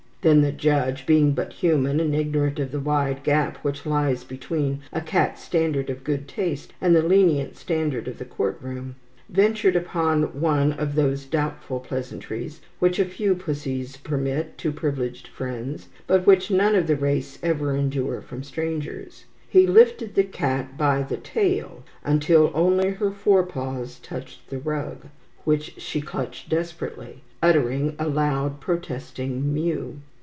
Then the judge, being but human, and ignorant of the wide gap which lies between a cat's standard of good taste and the lenient standard of the court room, ventured upon one of those doubtful pleasantries which a few pussies permit to privileged friends, but which none of the race ever endure from strangers. He lifted the kitten by the tail until only her forepaws touched the rug, which she clutched desperately, uttering a loud protesting mew.